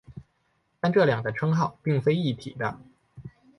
但这两个称号并非一体的。